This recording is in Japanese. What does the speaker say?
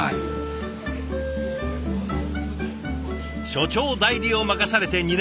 所長代理を任されて２年目。